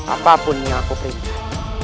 apapun yang aku perintah